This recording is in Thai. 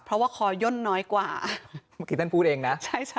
เพราะว่าคอย่นน้อยกว่าเมื่อกี้ท่านพูดเองนะใช่ใช่